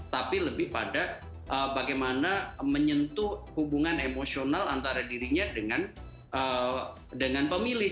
tapi lebih pada bagaimana menyentuh hubungan emosional antara dirinya dengan pemilih